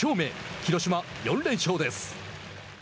広島、４連勝です。